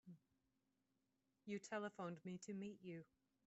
You telephoned me to meet you.